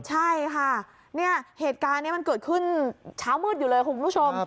ใช่ค่ะเนี่ยเหตุการณ์นี้มันเกิดขึ้นเช้ามืดอยู่เลยคุณผู้ชม